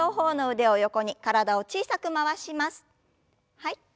はい。